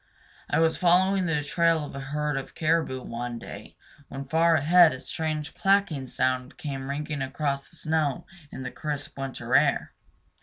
I was following the trail of a herd of caribou one day, when far ahead a strange clacking sound came ringing across the snow in the crisp winter air.